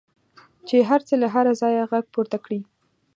چې هر څه له هره ځایه غږ پورته کړي.